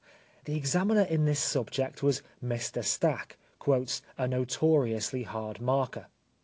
(The examiner in this subject was Mr Stack, "a notoriously hard marker."